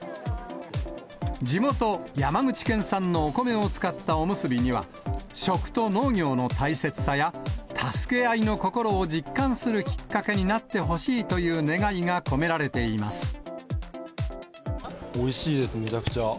地元、山口県産のお米を使ったおむすびには、食と農業の大切さや、助け合いの心を実感するきっかけになってほしいという願いが込めおいしいです、むちゃくちゃ。